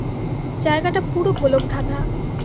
জায়গাটা পুরো গোলকধাঁধা।